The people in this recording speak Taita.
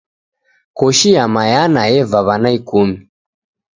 Koshi ya Mayana yeva w'ana ikumi